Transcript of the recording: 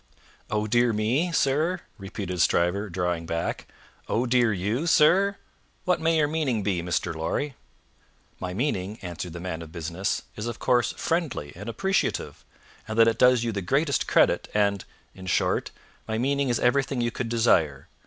"Oh dear me, sir?" repeated Stryver, drawing back. "Oh dear you, sir? What may your meaning be, Mr. Lorry?" "My meaning," answered the man of business, "is, of course, friendly and appreciative, and that it does you the greatest credit, and in short, my meaning is everything you could desire.